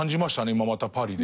今またパリで。